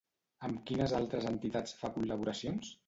Amb quines altres entitats fa col·laboracions?